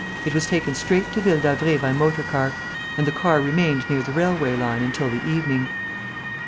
It was taken straight to Ville d'Avray by motor car; and the car remained near the railway line until the evening."